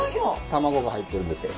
卵が入ってるんですよ。